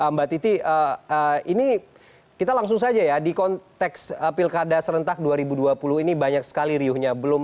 mbak titi ini kita langsung saja ya di konteks pilkada serentak dua ribu dua puluh ini banyak sekali riuhnya